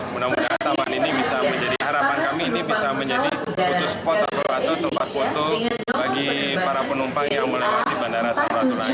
mudah mudahan taman ini bisa menjadi harapan kami ini bisa menjadi foto spot atau tempat foto bagi para penumpang yang melewati bandara samratuna